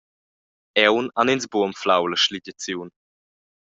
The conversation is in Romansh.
Aunc han ins buca anflau la sligiaziun.